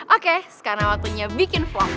oke karena waktunya bikin vlog